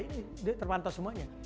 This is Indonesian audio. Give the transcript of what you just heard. ini terpantau semuanya